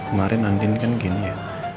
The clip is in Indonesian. somat mau kutip assign nya